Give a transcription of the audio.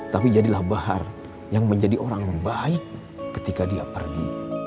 tapi jadilah bahar yang menjadi orang yang baik ketika dia pergi